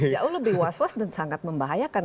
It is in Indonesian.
jauh lebih was was dan sangat membahayakan